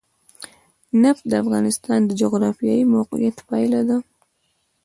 نفت د افغانستان د جغرافیایي موقیعت پایله ده.